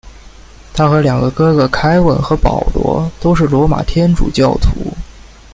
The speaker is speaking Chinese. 他和两个哥哥凯文与保罗都是罗马天主教徒。